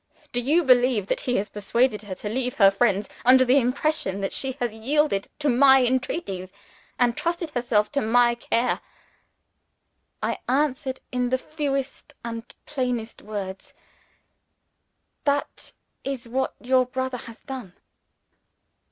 Do you believe that he has persuaded her to leave her friends, under the impression that she has yielded to My entreaties, and trusted herself to My care?" I answered in the fewest and plainest words, "That is what your brother has done."